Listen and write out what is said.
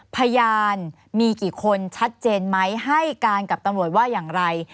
พยานมีกี่คนชัดเจนไหมให้การกับตำรวจว่าอย่างไร